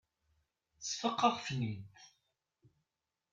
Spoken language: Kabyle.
Sfaqeɣ-ten-id.